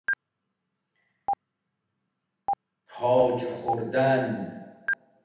کاج خوردن